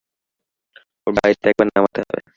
ওর বাড়িতে একবার নামাতে হবে।